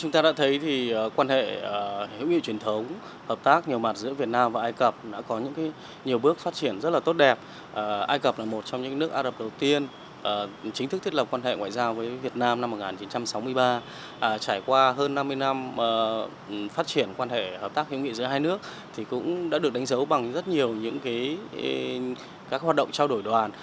trong ba mươi năm phát triển quan hệ hợp tác hiếm nghị giữa hai nước thì cũng đã được đánh dấu bằng rất nhiều những các hoạt động trao đổi đoàn